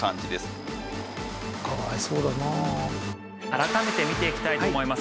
改めて見ていきたいと思います。